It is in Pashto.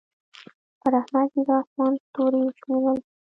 پر احمد يې د اسمان ستوري وشمېرل.